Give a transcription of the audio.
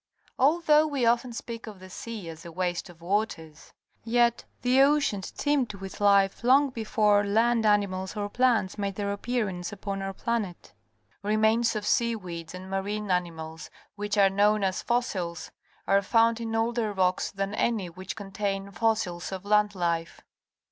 — Although we often speak of the sea as a 'waste of waters," yet the ocean teemed with hfe long before land animals or plants made their appearance upon our planet. Remains of sea weeds and marine animals, which are known as fossils, are found in older rocks than any which contain fossils of land life.